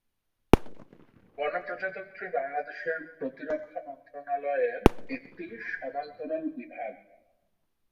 গণপ্রজাতন্ত্রী বাংলাদেশের প্রতিরক্ষা মন্ত্রণালয়ের একটি সমান্তরাল বিভাগ।